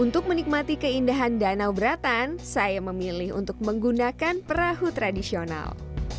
untuk menikmati keindahan danau beratan saya memilih untuk menggunakan perahu tradisional